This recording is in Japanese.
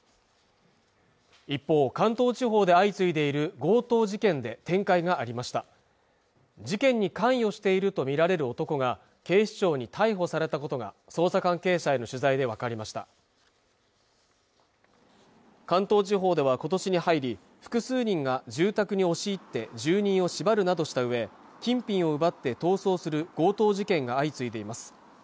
一方関東地方で相次いでいる強盗事件で展開がありました事件に関与していると見られる男が警視庁に逮捕されたことが捜査関係者への取材で分かりました関東地方では今年に入り複数人が住宅に押し入って住人を縛るなどしたうえ金品を奪って逃走する強盗事件が相次いでいます